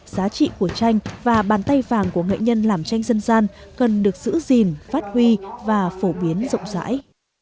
giá trị của tranh và bàn tay vàng của nghệ nhân làm tranh dân gian cần được giữ gìn phát huy và phổ biến rộng rãi